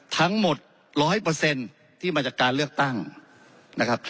ทั้งหมด๑๐๐ที่มาจากการเลือกตั้งนะครับ